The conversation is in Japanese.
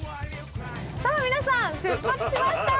さあ皆さん出発しました！